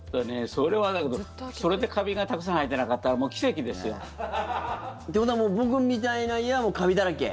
それはだけど、それでカビがたくさん生えてなかったらもう奇跡ですよ。ってことは僕みたいな家はもうカビだらけ。